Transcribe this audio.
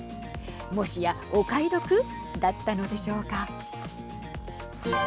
もしやお買い得だったのでしょうか。